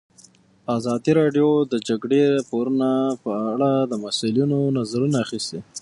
ازادي راډیو د د جګړې راپورونه په اړه د مسؤلینو نظرونه اخیستي.